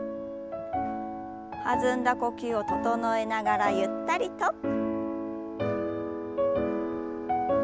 弾んだ呼吸を整えながらゆったりと。